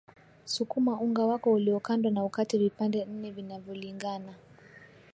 Sukuma unga wako uliokandwa na ukate vipande nne vinavyolingana